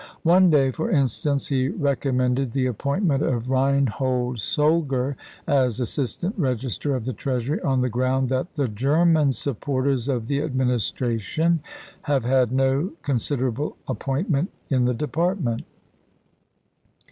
One day, for in stance, he recommended the appointment of Khein hold Solger as Assistant Eegister of the Treasury on the ground that " the German supporters of the Administration have had no considerable appoint ment in the department."